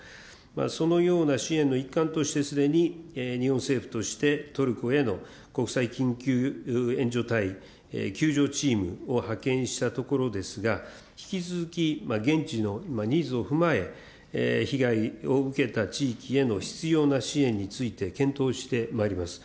そのような支援の一環として、すでに日本政府として、トルコへの国際緊急援助隊救助チームを派遣したところですが、引き続き現地のニーズを踏まえ、被害を受けた地域への必要な支援について、検討してまいります。